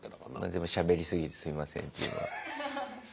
でもしゃべりすぎてすいませんって。